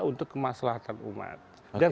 untuk kemaslahatan umat dan